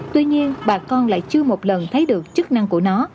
tuy nhiên bà con lại chưa một lần thấy được chức năng của nó